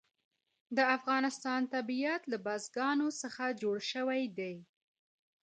د افغانستان طبیعت له بزګانو څخه جوړ شوی دی.